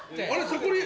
そこに。